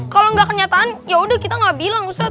kalau gak kenyataan ya udah kita gak bilang ustad